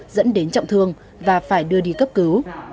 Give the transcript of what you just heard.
dẫn đến trọng thương và phải đưa đi cấp cứu